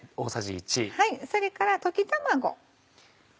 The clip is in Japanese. それから溶き卵。